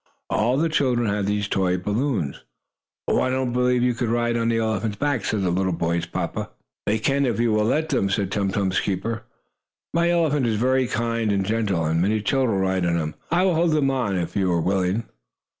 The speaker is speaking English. All the children had these toy balloons. "Oh, I don't believe you could ride on the elephant's back," said the little boy's papa. "They can, if you will let them," said Tum Tum's keeper. "My elephant is very kind and gentle, and many children ride on him. I will hold them on, if you are willing."